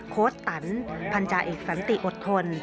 โค้ชตันพันธาเอกสันติอดทน